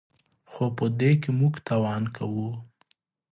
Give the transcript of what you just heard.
خو په دې کې موږ تاوان کوو.